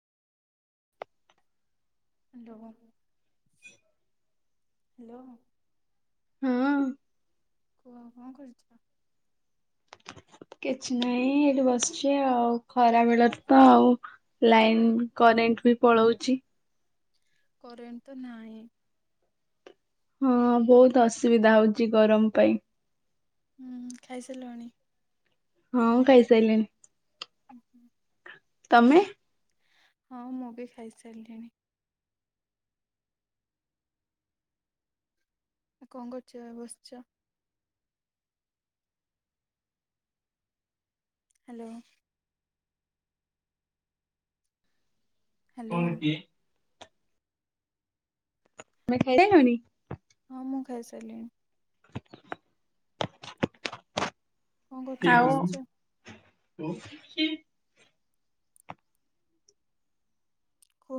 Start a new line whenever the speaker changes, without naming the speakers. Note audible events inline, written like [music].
[unintelligible] Hello.
ହଁ
କୁହ କଣ କରୁଛ।
କିଛି ନାହିଁ ଏଠି ବସିଛି ଆଉ ଖରା ବେଳ ତ ଆଉ। ଲାଇନ୍ କରେଣ୍ଟ ବି ପଳଉଛି।
କରେଣ୍ଟ ତ ନାହିଁ।
ହଁ ବହୁତ୍ ଅସୁବିଧା ହଉଛି ଗରମ ପାଇଁ।
ହୁଁ, ଖାଇସାରିଲଣି।
ହଁ, ଖାଇସାଇଲିଣି।
[unintelligible]
ତମେ।
ହଁ ମୁଁ ବି ଖାଇସାରିଲିଣି। ଆଉ କଣ କରୁଛ ବସ୍‌ଛ। ହ୍ୟାଲୋ। ହ୍ୟାଲୋ ହଁ
[unintelligible] ତମେ ଖାଇ ସାଇଲନି।।
ହଁ ମୁଁ ଖାଇ ସାରିଲିଣି। କଣ କରୁଛ ବସିଛ?
ଆଉ [unintelligible]